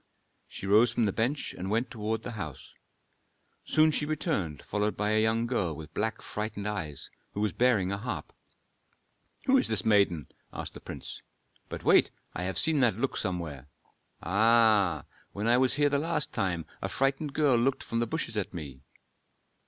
She rose from the bench and went toward the house. Soon she returned followed by a young girl with black, frightened eyes, who was bearing a harp. "Who is this maiden?" asked the prince. "But wait I have seen that look somewhere. Ah! when I was here the last time a frightened girl looked from the bushes at me."